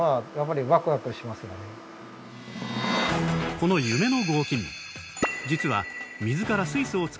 この夢の合金！